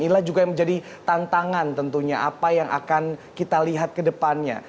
inilah juga yang menjadi tantangan tentunya apa yang akan kita lihat ke depannya